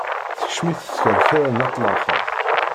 Tekcem-it tkerkra n at laxeṛt.